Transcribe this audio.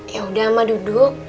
yaudah emak duduk